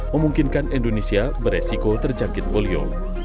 memungkinkan indonesia beresiko terjangkit polio